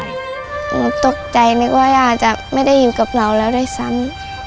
หนูตกใจนึกว่าย่าจะไม่ได้อยู่กับเราแล้วด้วยซ้ำ